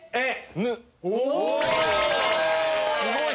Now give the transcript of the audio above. すごい！